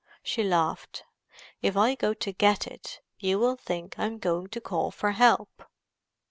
She laughed. "If I go to get it you will think I am going to call for help."